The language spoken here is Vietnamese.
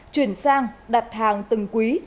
chuyển sang đặt hàng từng quý